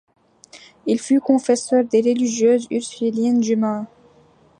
Il fut confesseur des religieuses Ursulines du Mans.